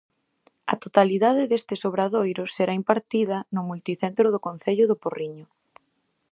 A totalidade destes obradoiros será impartida no Multicentro do Concello do Porriño.